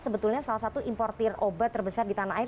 sebetulnya salah satu importer obat terbesar di tanah air